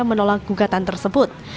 menolak gugatan tersebut